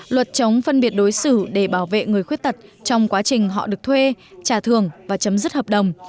luật chống phân biệt đối xử để bảo vệ người khuyết tật trong quá trình họ được thuê trả thường và chấm dứt hợp đồng